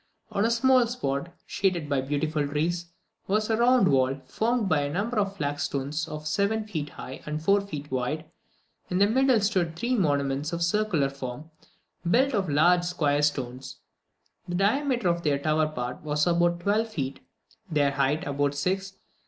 On a small spot, shaded by beautiful trees, was a round wall, formed of a number of flagstones of seven feet high and four feet wide; in the middle stood three monuments of a circular form, built of large square stones. The diameter of their tower part was about twelve feet, their height about six.